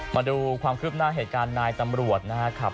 มาดูความคืบหน้าเหตุการณ์นายตำรวจนะครับ